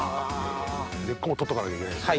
根っこも取っとかなきゃいけないんですね。